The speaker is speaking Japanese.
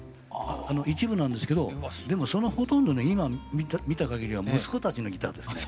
一部なんですけどでもそのほとんどね今見た限りは息子たちのギターですね。